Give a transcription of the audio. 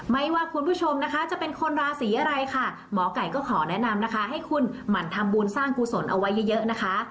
ไม่ว่าคุณผู้ชมนะคะจะเป็นคนราศีอะไรค่ะหมอไก่ก็ขอแนะนำนะคะให้คุณหมั่นทำบุญสร้างกุศลเอาไว้เยอะนะคะ